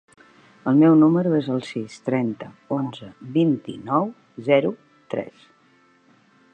El meu número es el sis, trenta, onze, vint-i-nou, zero, tres.